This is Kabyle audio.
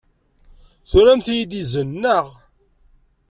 Turamt-iyi-d izen, naɣ?